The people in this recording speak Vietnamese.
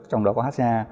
trong đó có hca